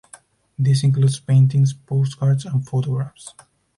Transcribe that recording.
This includes paintings, postcards and photographs.